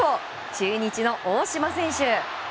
中日の大島選手。